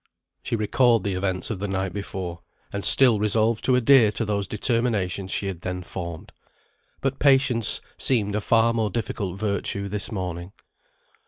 She recalled the events of the night before, and still resolved to adhere to those determinations she had then formed. But patience seemed a far more difficult virtue this morning.